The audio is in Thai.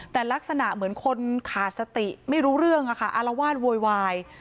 แต่ลักษณะเหมือนคนขาดสติไม่รู้เรื่องค่ะอารวาสโวยวาย